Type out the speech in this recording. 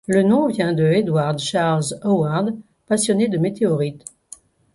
Le nom vient de Edward Charles Howard, passionné de météorites.